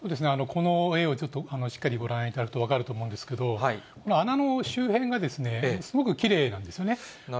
この絵をちょっとしっかりご覧いただくと分かると思うんですけれども、この穴の周辺が、すごくきれいなんですよね。